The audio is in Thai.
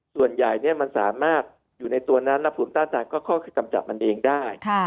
ส่วนใหญ่มันสามารถอยู่ในตัวนั้นและภูมิต้านทานก็คือกำจัดมันเองได้